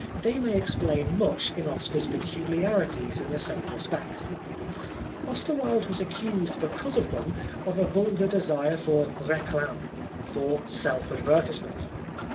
They may explain much in Oscar's peculiarities in the same respect. Oscar Wilde was accused because of them of a vulgar desire for reclame, for self advertisement.